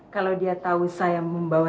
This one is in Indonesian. kalau dia tahu saya membawa